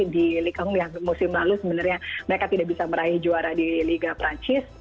di ligang yang musim lalu sebenarnya mereka tidak bisa meraih juara di liga perancis